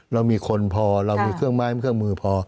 เรามีคนพอเรามีเครื่องไม้เครื่องมือพอ